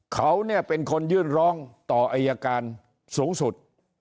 เขาเนี่ยเป็นคนยื่นร้องต่ออายการสูงสุด